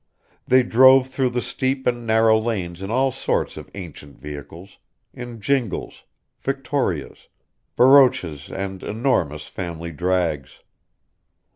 They drove through the steep and narrow lanes in all sorts of ancient vehicles, in jingles, victorias, barouches and enormous family drags.